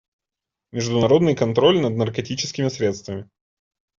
Международный контроль над наркотическими средствами.